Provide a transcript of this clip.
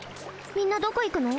みんなどこ行くの？